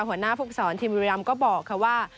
หัวหน้าฟุกศรทีมบุรัมก็บอกค่ะว่า